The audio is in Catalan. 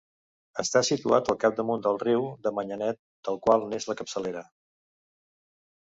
Està situat al capdamunt del riu de Manyanet, del qual n'és la capçalera.